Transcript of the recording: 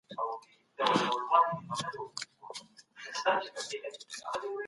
جګړه د صنعتي ودې ترټولو لوی دښمن دی.